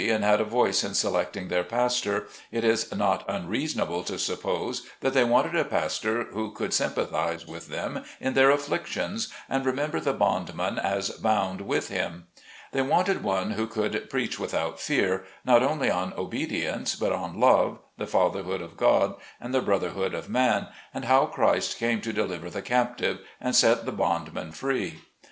nd had a voice in selecting their pastor, it is not unreasonable to suppose, that they wanted a pastor who could sympathize with them in their afflictions, and remember the bondman as bound with him. They wanted one who could preach without fear, not only on obedience but on love, the Fatherhood of God, and the Brotherhood of man, and how Christ came to deliver the captive, and set the bondman free.